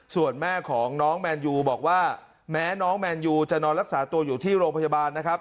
ส่วนแม่ของน้องแมนยูบอกว่าแม้น้องแมนยูจะนอนรักษาตัวอยู่ที่โรงพยาบาลนะครับ